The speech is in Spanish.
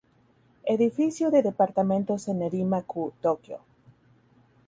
Edificio de departamentos en Nerima-Ku, Tokio.